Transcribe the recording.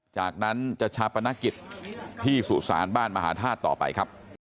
จากนั้นจะชาปนกิจที่สุสานบ้านมหาธาตุต่อไปครับ